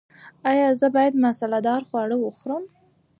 ایا زه باید مساله دار خواړه وخورم؟